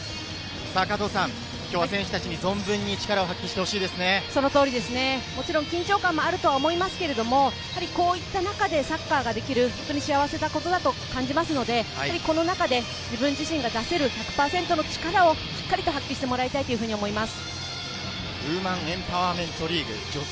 今日は選手たちにもちろん緊張感もあると思いますけれど、こういった中でサッカーができる幸せなことだと感じますので、この中で自分自身が出せる１００パーセントの力をしっかりと発揮してもらいたいと思います。